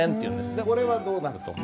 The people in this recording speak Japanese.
でこれはどうなると思う？